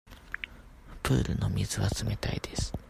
プールの水は冷たいです。